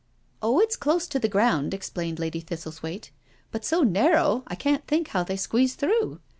" Oh, it's close to the ground," explained Lady Thistlethwaite, " but so narrow I can't think how they squeezed through.